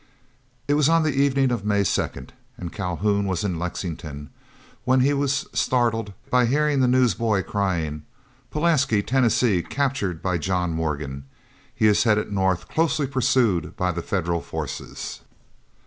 It was on the evening of May 2d, and Calhoun was in Lexington when he was startled by hearing the news boys crying, "Pulaski, Tennessee, captured by John Morgan!" "He is headed north, closely pursued by the Federal forces!"